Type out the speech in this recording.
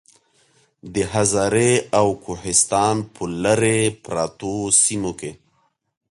د هزارې او کوهستان پۀ لرې پرتو سيمو کې